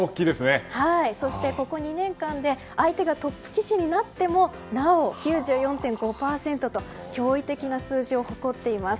ここ２年間で相手がトップ棋士になってもなおも９４．５％と驚異的な数字を誇っています。